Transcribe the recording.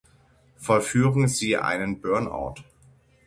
Vollführen Sie einen Burnout.